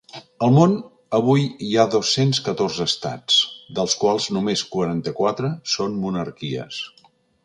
Al món avui hi ha dos-cents catorze estats, dels quals només quaranta-quatre són monarquies.